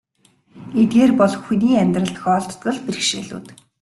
Эдгээр бол хүний амьдралд тохиолддог л бэрхшээлүүд.